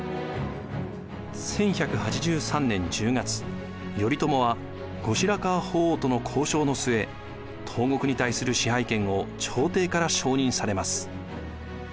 １１８３年１０月頼朝は後白河法皇との交渉の末東国に対する支配権を朝廷から承認されます。